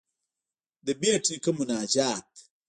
ددبېټ نيکه مناجات.